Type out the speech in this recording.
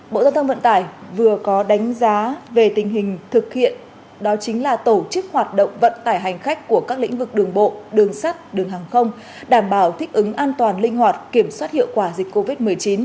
bộ giao thông vận tải vừa có đánh giá về tình hình thực hiện đó chính là tổ chức hoạt động vận tải hành khách của các lĩnh vực đường bộ đường sắt đường hàng không đảm bảo thích ứng an toàn linh hoạt kiểm soát hiệu quả dịch covid một mươi chín